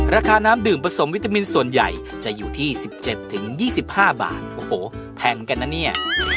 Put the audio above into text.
ราคาน้ำดื่มผสมวิตามินส่วนใหญ่จะอยู่ที่๑๗๒๕บาทโอ้โหแพงกันนะเนี่ย